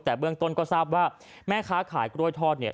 แต่เบื้องต้นก็ทราบว่าแม่ค้าขายกล้วยทอดเนี่ย